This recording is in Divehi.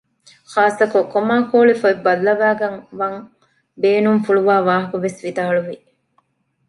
ޚާއްޞަކޮށް ކޮމާކޯޅި ފޮތް ބައްލަވައިގަންވަން ބޭނުންފުޅުވާ ވާހަކަ ވެސް ވިދާޅުވި